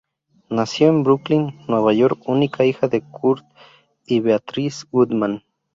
Nació en Brooklyn, Nueva York, única hija de de Kurt y Beatrice Gutmann.